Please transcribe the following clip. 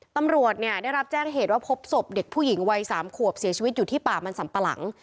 ตำรวจเนี่ยได้รับแจ้งเหตุว่าพบศพเด็กผู้หญิงวัย๓ขวบเสียชีวิตอยู่ที่ป่ามันสัมปะหลัง